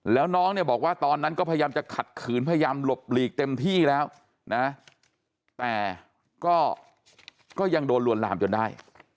แล้วน้องเนี่ยบอกว่าตอนนั้นก็พยายามจะขัดขืนพยายามหลบหลีกเต็มที่แล้วนะแต่ก็ยังโดนลวนลามจนได้